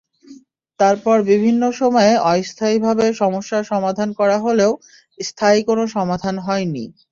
তারপর বিভিন্ন সময়ে অস্থায়ীভাবে সমস্যার সমাধান করা হলেও স্থায়ী কোনো সমাধান হয়নি।